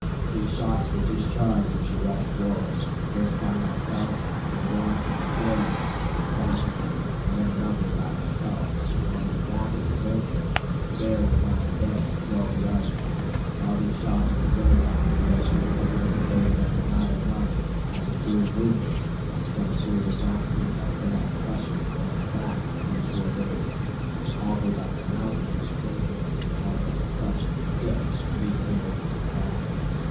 Three shots were discharged as she rushed forward, first by myself, then one from Le Corey, who was backing me, and then another by myself; and when the "racket" was over, the bear was lying dead twelve yards from us. All these shots were bull's eyes and deadly. In this case I could not have run had the spirit moved me, as from a serious accident I had been on crutches or my back for twenty four days, and hobbled up the mountain in this instance with the help of a crutch and a stick, Le carrying my rifle.